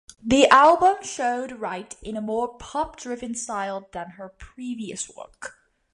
The album showed Wright in a more pop-driven styled than her previous work.